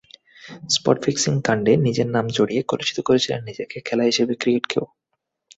Spot ফিক্সিং-কাণ্ডে নিজের নাম জড়িয়ে কলুষিত করেছিলেন নিজেকে, খেলা হিসেবে ক্রিকেটকেও।